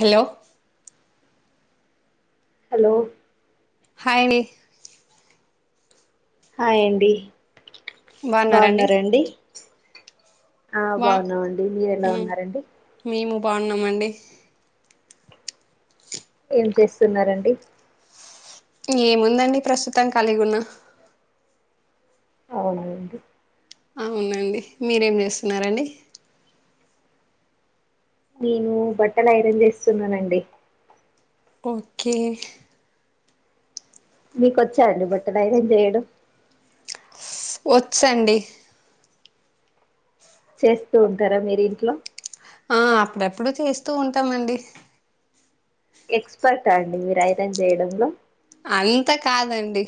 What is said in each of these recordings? Hello hello hi అండి. Hi అండి. బాగున్నారండి బావున్నరా అండి. ఆ బా బావున్నామండి, మీరు ఎలా మ్ ఉన్నారండి? మేము బావున్నమండి. ఏం చేస్తున్నరు అండి? ఏముందండి ప్రస్తుతం కాలిగున్నా. అవునండి. అవునండి. మీరేం చేస్తున్నారండి? నేను బట్టలు ఐరన్ చేస్తున్నానండి. ఓకే. మీకు వచ్చా అండి బుట్టలు ఐరన్ చేయడం. వచ్చండి. చేస్తూ ఉంటరా మీరు ఇంట్లో. ఆ అప్పుడప్పుడు చేస్తూ ఉంటమండి. ఎక్స్పర్టా అండి మీరు ఐరాన్ చేయడంలో. అంతా కాదండి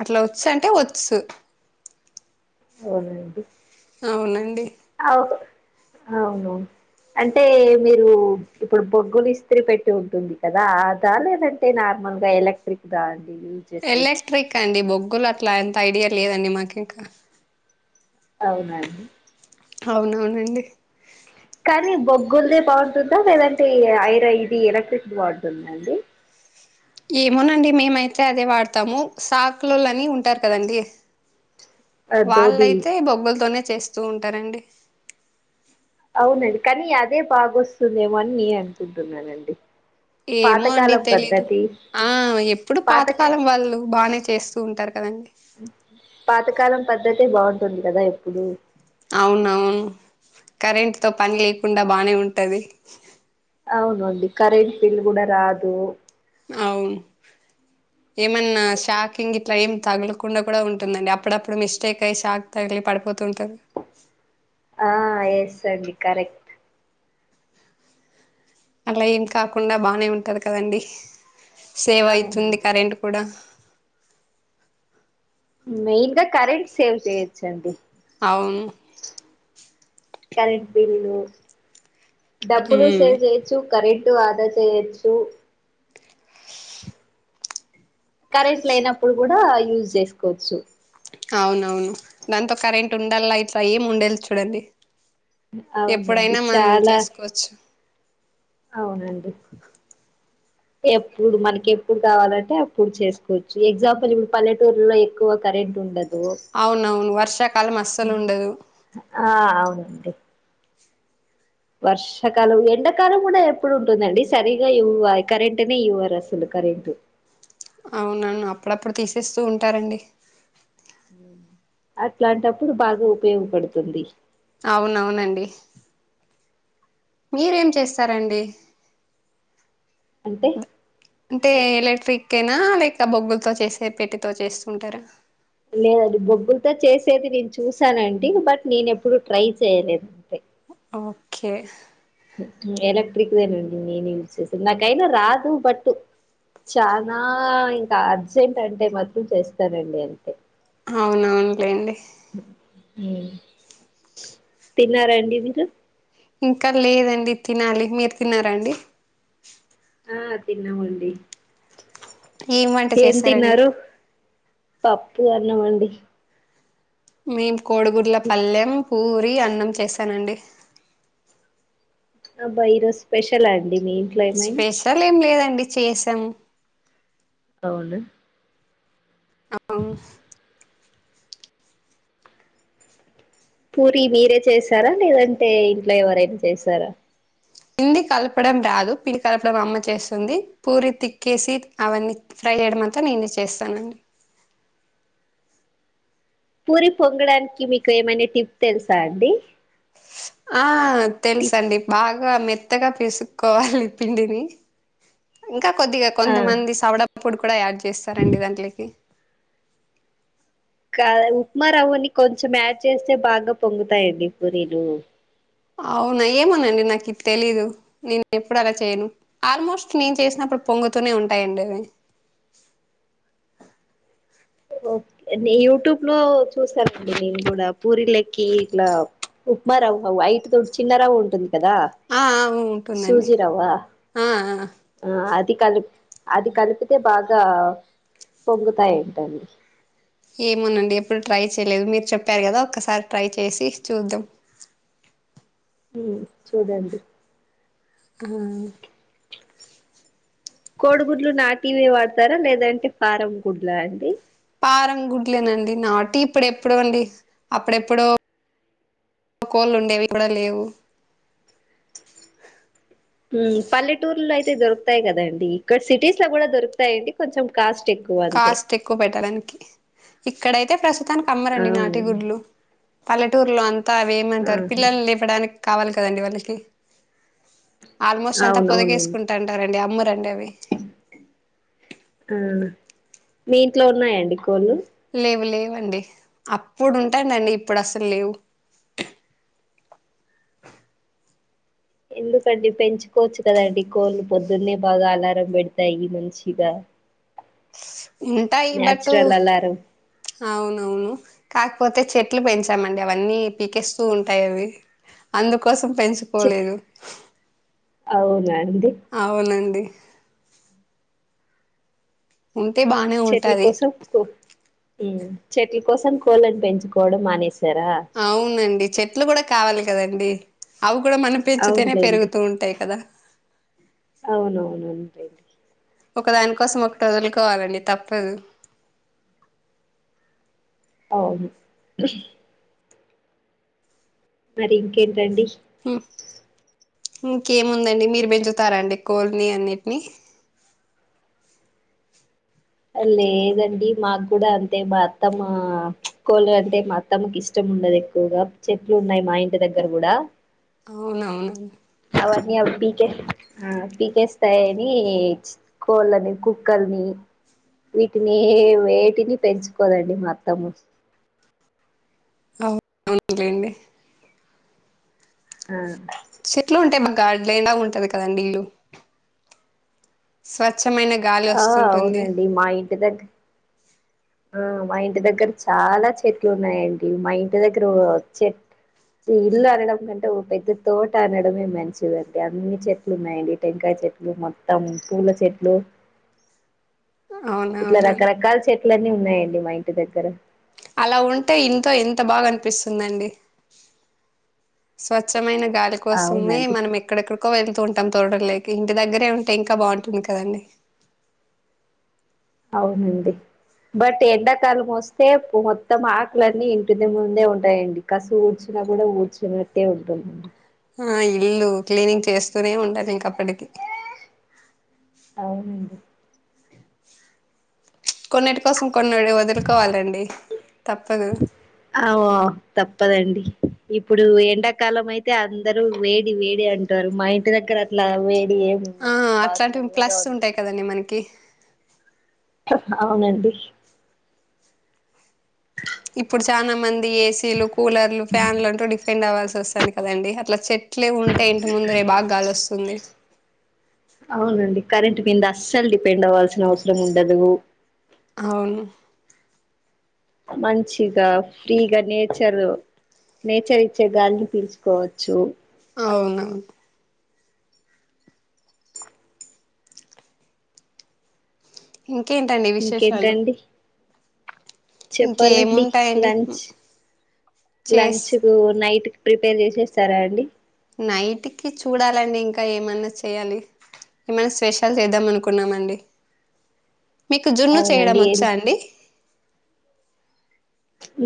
అట్ల వచ్చు అంటే వచ్చు. అవునండి. అవునండి. అవు అవును. అంటే మీరు ఇప్పుడు బొగ్గులు ఇస్త్రి పెట్టి ఉంటుంది కదా దాన్నే పెడి ట్టి నార్మల్గా ఎలక్ట్రిక్దా అండి. చేసేది ఎలక్ట్రిక్ అండి బొగ్గులు అట్లా అంత ఐడియా లేదండి మాకు ఇంకా. అవునాండి. అవునవునండి. కానీ బొగ్గుల్దే బాగుంటుందా లేదంటే ఐరా ఇది ఎలక్ట్రిక్ బాగుంటుందా అండి ఏమోనండి మేమైతే అదే వాడతాము సాకులోళ్లని ఉంటారు కదండి ధోబి వాళ్ళైతే బొబ్బలతోనే చేస్తూ ఉంటారండి అవునండి కానీ అదే బాగొస్తుందేమో అని నేను అనుకుంటున్నానండి ఏమో అండి పాతకాలం తెలీదు పద్ధతి ఆ ఎప్పుడు పాత పాతకాలం వాళ్ళు బానే చేస్తూ ఉంటారు కదండి పాతకాలం పద్ధతే బాగుంటుంది కదా ఎప్పుడు అవునవును కరెంట్ తో పని లేకుండా బానే ఉంటది అవునుండి కరెంట్ బిల్ కూడా రాదు అవును ఏమన్నా శాక్ హింగ్ ఇట్లా ఏం తగలకో కుండా కూడా ఉంటుందండి అప్పుడప్పుడు మిస్టేక్ అయ్యి షాక్ తగిలి పడిపోతూ ఉంటారు కదా ఆ ఎస్ అండి కరెక్ట్ అట్లా ఏం కాకుండా బానే ఉంటది కదండి సేవ్ అయితుంది అవునండి కరెంట్ కూడా మెయిన్ గా కరెంట్ సేవ్ చెయ్యొచ్చండి అవును కరెంట్ బిల్లు డబ్బులు మ్మ్ సేవ్ చే చ్చు కరెంటు ఆదా చేయొచ్చు కరెంటు లేనపుడు కూడా యూజ్ జే సుకోవచ్చు అవునవును దాంతో కరెంట్ ఉండాల్ల ఇట్ల ఏం ఉండేల్ద్ చూడండి అవునండి ఎప్పుడైనా మనం చాలా చేసుకోవచ్చు అవునండి ఎప్పుడు మనకి ఎప్పుడు కావాలంటే అప్పుడు చేసుకోవచ్చు. ఎగ్జాంపుల్ ఇప్పుడు పల్లెటూర్లులో ఎక్కువ కరెంట్ ఉండదు అవునవును వర్షాకాలం అస్సలు ఉండదు ఆ అవునండి వర్షాకాలం ఎండాకాలం కూడా ఎప్పుడు ఉంటుందండి సరిగా ఇవ్వాలి కరెంటునే ఇవ్వరు అసలు కరెంటు అవునవును అప్పుడప్పుడు తీసేస్తూ ఉంటారండి అట్లాంటప్పుడు బాగా ఉపయోగపడుతుంది అవునవునండి మీరేం చేస్తారంండి అంటే అంటే ఎలక్ట్రిక్ కేనా లేక బొగ్గులతో చేసే పెట్టె తో చేస్తుంటారా లేదండి బొగ్గులతో చేసేది నేను చూశానండి. బట్ నేను ఎప్పుడు ట్రై చేయలేదు. అంతే ఓకే ఎలక్ట్రిక్ దేనండి నేను యూజ్ చేసేది నాకైనా రాదు బట్ చానా ఇంకా అర్జెంట్ అంటే మాత్రం చేస్తానండి అంతే అవునవునులేండి తిన్నారా అండి మీరు ఇంకా లేదండి తినాలి మీరు తిన్నారా అండి ఆ తిన్నావండి. వంట ఏం చేశారండి తిన్నారు పప్పు అన్నమండి మేము కోడిగుడ్ల పల్లెం పూరి అన్నం చేశానండి అబ్బా ఈ రోజు స్పెషలా అండి మీ ఇంట్లో ఏమైనా త్తలేం లేదండి చేసాము అవునా అవు పూరి మీరే చేసారా లేదంటే ఇంట్లో ఎవరైనా చేసారా పిండి కలపడం రాదు పిండి కలపడం అమ్మ చేస్తుంది పూరి తిక్కేసి అవన్నీ ఫ్రై చేయడం అంత నేనే చేస్తానండి పూరి పొంగడానికి మీకు ఏమైనా టిప్ తెలుసా అండి ఆ టిప్ తెలుసండి బాగా మెత్తగా పిసుక్కోవాలి పిండిని ఇంకా కొద్దిగా ఆ కొంతమంది సౌడ పొడి కూడా యాడ్ చేస్తారండి దాంట్లోకి కాదు ఉప్మా రవ్వని కొంచెం యాడ్ చేస్తే బాగా పొంగుతాయండి పూరీలు అవునా ఏమోనండి నాకు ఇది తెలీదు నేను ఎప్పుడు అలా చేయను ఆల్మోస్ట్ నేను చేసినప్పుడు పొంగుతూనే ఉంటాయండి అవి లైక్ యూట్యూబ్ లో చూసానండి నేను కూడా పూరిలెకి ఇట్లా ఉప్మా రవ్వ వైట్తో చిన్నరవ్వ ఉంటుంది కదా ఆ అ ఉంటుందండి సూజీ రవ్వ ఆ ఆ అది కలి అది కలిపితే బాగా పొంగుతాయంటండి ఏమోనండి ఎప్పుడు ట్రై చేయలేదు మీరు చెప్పారు కదా ఒక్కసారి ట్రై చేసి చూద్దాం ఉమ్ చూడండి అ కోడుగుడ్లు నాటివే వాడతారా లేదంటే ఫారం గుడ్లా అండి ఫారం గుడ్లేనండి నాటియి ఇప్పుడెప్పుడండి అప్పుడెప్పుడో కోలుండేవి కూడా లేవు ఉమ్ పల్లెటూర్లో అయితే దొరుకుతాయి కదండి ఇక్కడ సిటీస్ లో కూడా దొరుకుతాయండి కొంచెం కాస్ట్ ఎక్కువ అంతే కాస్ట్ ఎక్కువ పెట్టడానికి ఇక్కడైతే ప్రస్తుతానికి అమ్మరండి నాటు అవునండి గుడ్లు పల్లెటూరులో అంతా అవి ఏమంటరు ఆహా పిల్లలను లేపడానికి కావాలి కదండి వాళ్ళకి ఆల్మోస్ట్ అంతా అవునవునవును పొదగేసుకుంటుంటారండి అమ్మరండి అవి ఆ మీ ఇంట్లో ఉన్నాయాండి కోళ్ళు లేవు లేవండి అప్పుడు ఉంటాడండి ఇప్పుడు అసలు లేవు ఎందుకండి పెంచుకోవచ్చు కదండి కోళ్లు పొద్దున్నే బాగా అలారం పెడతాయి మంచిగా ఉంటాయి బట్ న్యాచురల్ అలారం అవునవును కాకపోతే చెట్లు పెంచామండి అవన్నీ పీకేస్తూ ఉంటాయి అవి అందుకోసం పెంచు అవునా అండి అవునండి ఉంటే బానే చెట్ల ఉంటది కోసం చెట్ల కోసం కోళ్ళలను పెంచుకోవడం మానేసారా అవునండి చెట్లు కూడా కావాలి కదండి అవి కూడా మన పెంచుతేనే అవునులేండి పెరుగుతూ ఉంటాయి కదా అవునవును అంతే అండి ఒక దానికోసం ఒకటి వదులుకోవాలండి తప్పదు అవును మరి ఇంకేంటండి ఇంకేముందండి మీరు పెంచుతారా అండి కోల్ని అన్నిటిని లేదండి మాకు కూడా అంతే మా అత్తమ్మ కోళ్ళు అంటే నచ్ తనకి ఇష్టం ఉండదు ఎక్కువగా చెట్లు ఉన్నాయి మా ఇంటి దగ్గర కూడా అవునవునండి అవన్నీ అవి పీకే ఆ పీకేస్తాయ్ అనీ ఇచ్ కోళ్ళని, కుక్కల్నీ వీటిని ఏ వేటిని పెంచుకోదండి మా అత్తమ్మ. అవును అవును లేండి ఆ చెట్లు ఉంటాయి మాకు గార్డెన్ లా ఉంటది కదండి ఇల్లు స్వచ్ఛమైన గాలి ఆ వస్తుంటుంది అవునండి మా ఇంటి దగ్గ్ ఆ మా ఇంటి దగ్గర చాలా చెట్లు ఉన్నాయండి మా ఇంటి దగ్గర ఓ చెట్. ఈ ఇల్లు అనడం కంటే ఓ పెద్ద తోట అనడమే మంచిదండి అన్ని చెట్లు ఉన్నాయండి టెంకాయ చెట్ ట్లు మొత్తం పూల చెట్లు ఇట్ల అవునవునా రకరకాల చెట్లన్నీ ఉన్నాయండి మా ఇంటి దగ్గర. అలా ఉంటే ఇంట్లో ఎంత బాగా అనిపిస్తుందండి. స్వచ్ఛమైన గాలి కోసమే అవునండి మనం ఎక్కడెక్కడికో వెళ్తూ ఉంటాం తోటలకి ఇంటి దగ్గరే ఉంటే ఇంకా బాగుంటుంది కదండి. అవునండి బట్ ఎండాకాలం వస్తే మొత్తం ఆకులన్నీ ఇంటి ముందే ఉంటాయండి. కసు ఊడ్చినా గూడా ఊడ్చనట్టే ఉంటుందండి. హా ఇల్లు క్లీనింగ్ చేస్తూనే ఉండాలి ఇంక అప్పటికి. అవునండి కొన్నిటి కోసం కొన్ని వదులుకోవాలండి తప్పదు. ఆవో తప్పదండి ఇప్పుడూ ఎండాకాలం అయితే అందరూ వేడి వేడి అంట్. టారు మా ఇంటి దగ్గరా అట్లా వేడి ఏమి ఉండదండి బాగా చల్లగా ఉంటుంది. దాన్ని మనకి అవునండి ఇప్పుడు చానా మంది ఏసీలు, కూలర్లు, ఫ్యాన్లు అంటు డిఫెండ్ అవ్వాల్సి వస్తాంది కదండి అట్లా చెట్. ట్లే ఉంటే ఇంటి ముంద రే బాగా గాలి వస్తుంది. అవునండి కరెంట్ కింద అస్సలు డిపెండ్ అవ్వాల్సిన అవసరం ఉండదూ. అవును మంచిగా ఫ్రీగా నేచరు నేచర్ ఇచ్చే గాలిని పీల్చుకోవచ్చు. అవునవును ఇంకేంటండి విశేషాలు ఇంకేంటండి చెప్పాలండి ఇంకేముంటాయండి లంచ్ చేస్ లంచు కూ నైట్కి ప్రిపేర్ చేసేశారా అండి. నైట్కి చూడాలండి ఇంకా ఏమన్నా చెయ్యాలి. ఏమన్నా స్పెషల్ చేద్దాం అనుకున్నామ్ అండి. మీకు జున్ను చేయడం అవునండి ఏం వచ్చా అండి.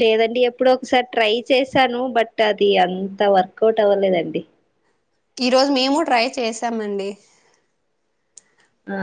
లేదండి ఎప్పుడో ఒకసారి ట్రై చేశాను బట్ అది అంత వర్కౌట్ అవ్వలేదండి. ఈ రోజు మేము ట్రై చేశామండి.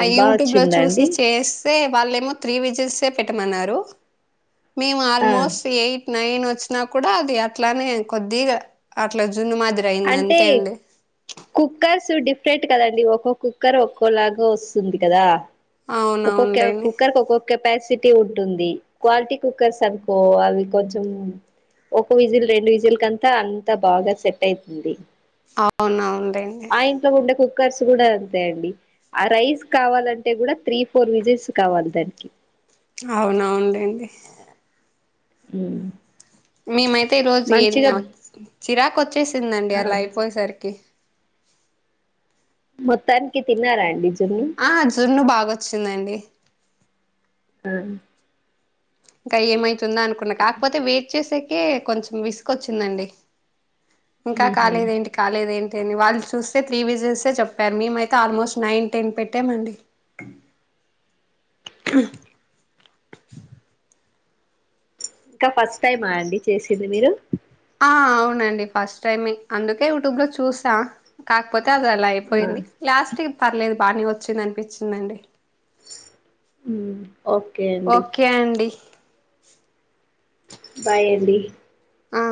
ఆ బాగా యూట్యూబ్ లో వచ్చిందా చూశి అండి చేస్ స్తే వాళ్ళేమో త్రీ విజిల్సే పెట్టమన్నారు మేము ఆ ఆల్మోస్ట్ ఎయిట్. నైన్ వచ్చినా కూడా అది అట్లానే కొద్దిగా అట్లా జున్ను మాదిరి. అయింది అంటే అంతే అండి ప్చ్ కుక్కర్సు డిఫరెంట్ కదండి ఒక్కో కుక్కర్ ఒక్కోలాగ వస్తుంది కదా. ఒక్కకొక్కా అవునవునులేండి కుక్కర్ ఒక్కొక్ కెపాసిటీ ఉంటుంది క్వాలిటీ కుక్కర్స్ అనుకో అవి కొంచం. ఒకో విజిల్ రెండు విజిల్ కంతా అంత బాగా సెట్ అయితుంది అవునా ఉంది తు ఉండే కుక్కర్స్ కూడా అంతే అండి ఆ రైస్ కావాలంటే కూడా త్రీ ఫోర్ విజెస్ కావాలి దానికి అవునవునులేండి ఉ మేమైతే ఈ రోజు ఎగినం చిరాకు వచ్చేసిందండి ఆ అలా అయిపోయేసరికి మొత్తానికి తిన్నారా అండి జున్ను ఆ జున్ను బాగోచ్చిందండి ఆ ఇంకా ఏమైతుందా అనుకున్నా కాకపోతే వెయిట్ చేసేకే కొంచెం విసుకోచ్చిందండి ఇంకా ఊహూ. కాలేదేంటి కాలేదు ఏంటి అని వాళ్ళు చూస్తే త్రీ విజిల్సే చెప్పారు మేమైతే ఆల్మోస్ట్ నైన్ టెన్ పెట్టామండి ఇంకా ఫస్ట్ టైమా అండి చేసింది మీరు ఆ అవునండి ఫస్ట్ టైమే అందుకే యూట్యూబ్ లో చూసా కాకపోతే అది అలా ఆ అయిపోయింది లాస్ట్కి పర్లేదు బానే వచ్చింది అనిపించిందండి హ్మ్ ఓకే అండి ఓకే అండి బాయండి ఆ